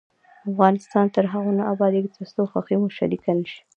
افغانستان تر هغو نه ابادیږي، ترڅو خوښي مو شریکه نشي.